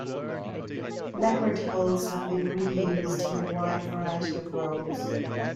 Leopard hulls have been re-used in a wide variety of roles.